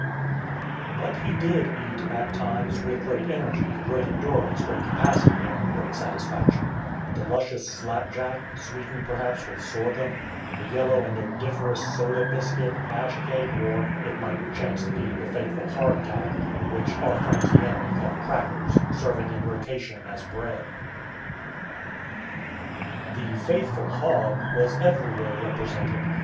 But he did eat, at times, with great energy, great endurance, great capacity, and great satisfaction; the luscious slapjack, sweetened perhaps with sorghum, the yellow and odoriferous soda biscuit, ash cake, or, it might chance to be, the faithful "hardtack" (which "our friends the enemy" called "crackers") serving in rotation as bread. The faithful hog was everywhere represented.